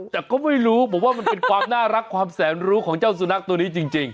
แต่ก็ไม่รู้บอกว่ามันเป็นความน่ารักความแสนรู้ของเจ้าสุนัขตัวนี้จริง